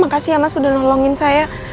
makasih ya mas udah nolongin saya